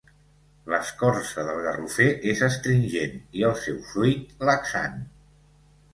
L'escorça del garrofer és astringent i el seu fruit, laxant.